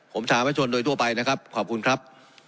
ผมถามประชนโดยทั่วไปนะครับขอบคุณครับ